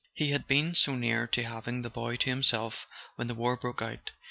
He had been so near to having the boy to himself when the war broke out!